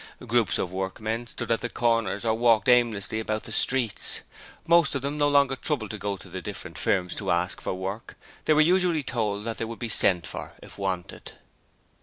Groups of workmen stood at the corners or walked aimlessly about the streets. Most of them no longer troubled to go to the different firms to ask for work, they were usually told that they would be sent for if wanted.